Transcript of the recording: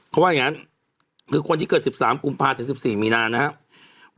เขาว่าอย่างนั้นคือคนที่เกิด๑๓กุมภาถึง๑๔มีนานะครับ